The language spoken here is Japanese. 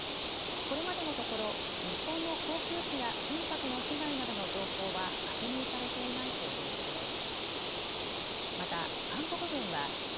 これまでのところ日本の航空機や船舶の被害などの情報は確認されていないということです。